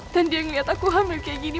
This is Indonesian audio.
dan dia ngeliat aku hamil kayak gini